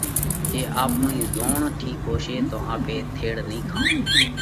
جي آپڻئي زوڻ ٺِيڪ ھوشي تو آپي ٿيڙ نئين کائون۔